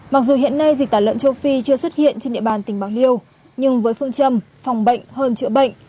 mặc dù hiện nay dịch tả lợn châu phi chưa xuất hiện trên địa bàn tỉnh bạc liêu nhưng với phương châm phòng bệnh hơn chữa bệnh